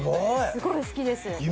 すごい好きです。